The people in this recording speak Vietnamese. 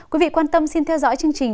quý vị quan tâm xin theo dõi chương trình